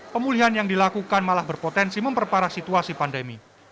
pemulihan yang dilakukan malah berpotensi memperparah situasi pandemi